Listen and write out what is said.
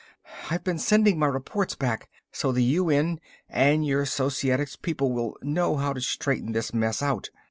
I've been sending my reports back, so the UN and your Societics people will know how to straighten this mess out.